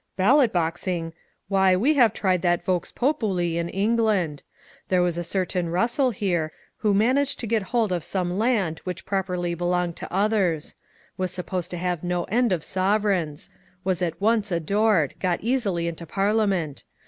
" Ballot boxing 1 Why, we have tried that vox populi in England. There was a certain Bussell here, who managed to get hold of some land which properly belonged to others ; was supposed to have no end of sovereigns; was at once adored; got easily into Parliament.